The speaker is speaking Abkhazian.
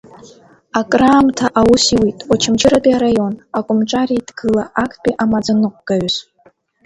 Акраамҭа аус иуит Очамчыратәи араион акомҿареидгыла Актәи амаӡаныҟәгаҩыс.